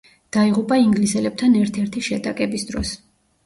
დაიღუპა ინგლისელებთან ერთ-ერთი შეტაკების დროს.